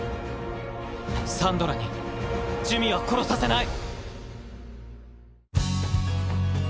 サンドラに珠魅は殺させない！